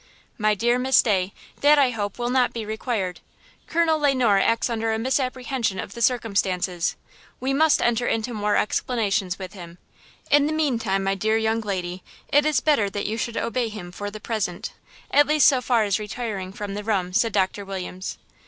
"My dear Miss Day, that, I hope, will not be required. Colonel Le Noir acts under a misapprehension of the circumstances. We must enter into more explanations with him. In the mean time, my dear young lady, it is better that you should obey him for the present, at least so far as retiring from the room," said Doctor Williams.